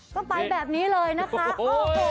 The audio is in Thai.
ก็ไปแบบนี้เลยนะคะโอ้โห